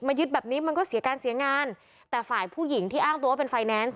ยึดแบบนี้มันก็เสียการเสียงานแต่ฝ่ายผู้หญิงที่อ้างตัวว่าเป็นไฟแนนซ์